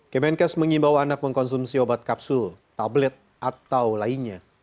kemenkes mengimbau anak mengkonsumsi obat kapsul tablet atau lainnya